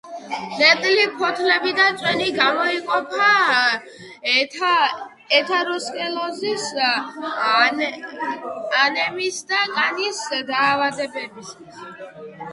ნედლი ფოთლები და წვენი გამოიყენება ათეროსკლეროზის, ანემიის და კანის დაავადებებისას.